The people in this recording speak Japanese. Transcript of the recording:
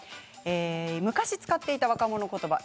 昔、使っていた若者言葉